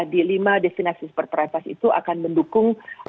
di lima destinasi super prioritas itu akan mendukung